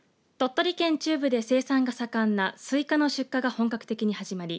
鳥取県中部で生産が盛んなスイカの出荷が本格的に始まり